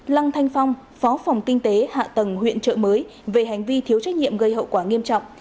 lăng thanh phong phó phòng kinh tế hạ tầng huyện trợ mới về hành vi thiếu trách nhiệm gây hậu quả nghiêm trọng